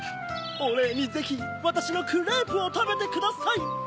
おれいにぜひわたしのクレープをたべてください！